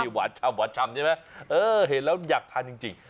หวาดชำเห็นไหมเออแล้วอยากทานจริง